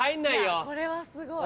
これはすごい。